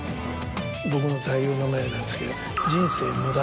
僕の座右の銘なんですけど。